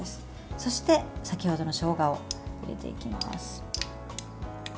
そして先程のしょうがを入れていきます。